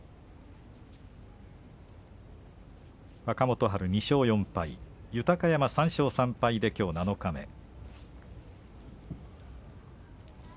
若元春、２勝４敗豊山、３勝３敗できょう七日目。